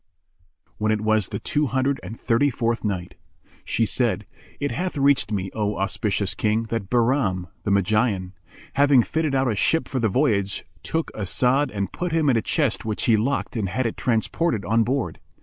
When it was the Two Hundred and Thirty fourth Night, She said, It hath reached me, O auspicious King, that Bahram, the Magian, having fitted out a ship for the voyage, took As'ad and put him in a chest which he locked and had it transported on board.